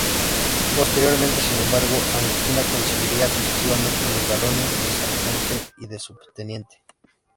Posteriormente, sin embargo, Agustina conseguiría sucesivamente los galones de Sargento y de Subteniente.